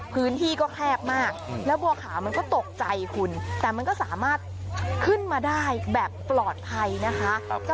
พื้นที่ก็แคบมากแล้วบัวขาวมันก็ตกใจคุณแต่มันก็สามารถขึ้นมาได้แบบปลอดภัยนะคะ